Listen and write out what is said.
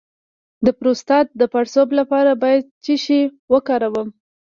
د پروستات د پړسوب لپاره باید څه شی وکاروم؟